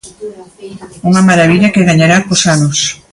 Unha marabilla que gañará cos anos.